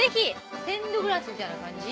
ステンドグラスみたいな感じ？